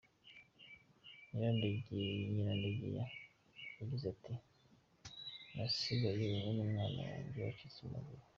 Nyirandegeya yagize ati “ nasigaye n’umwana wanjye wacitse amaguru.